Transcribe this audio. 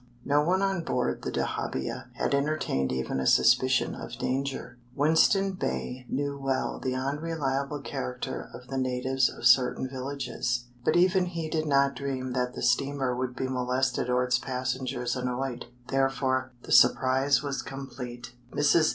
No one on board the dahabeah had entertained even a suspicion of danger. Winston Bey knew well the unreliable character of the natives of certain villages, but even he did not dream that the steamer would be molested or its passengers annoyed; therefore, the surprise was complete. Mrs.